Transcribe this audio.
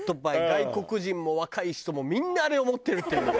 外国人も若い人もみんなあれを持ってるっていう。